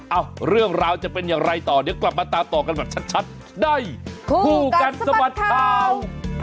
เรื่องราวจะเป็นอย่างไรต่อเดี๋ยวกลับมาตามต่อกันแบบชัดในคู่กัดสะบัดข่าว